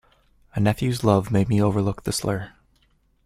A nephew's love made me overlook the slur.